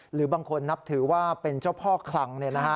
หรือบางคนนับถือว่าเป็นเจ้าพ่อคลัง